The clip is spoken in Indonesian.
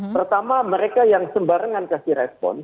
pertama mereka yang sembarangan kasih respon